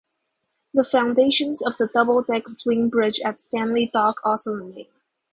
The foundations of the double deck swing bridge at Stanley Dock also remain.